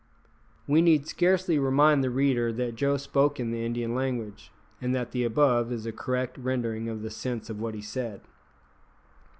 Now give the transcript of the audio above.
We need scarcely remind the reader that Joe spoke in the Indian language, and that the above is a correct rendering of the sense of what he said.